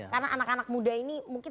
karena anak anak muda ini mungkin